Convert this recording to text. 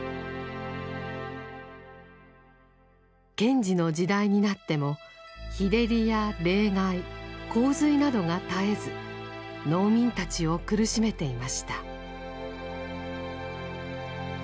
賢治の時代になっても日照りや冷害洪水などが絶えず農民たちを苦しめていました。